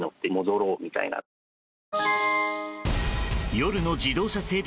夜の自動車整備